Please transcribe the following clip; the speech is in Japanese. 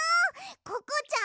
ココちゃん